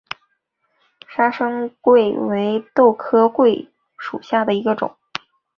砂生槐为豆科槐属下的一个种。